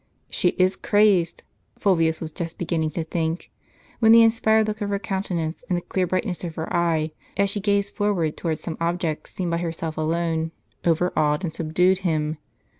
t She is crazed, Fulvius was just beginning to think; when the inspired look of her countenance, and the clear brightness of her eye, as she gazed forwards towards some object seen by herself alone, overawed and subdued him.